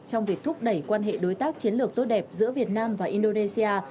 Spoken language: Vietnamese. trong việc thúc đẩy quan hệ đối tác chiến lược tốt đẹp giữa việt nam và indonesia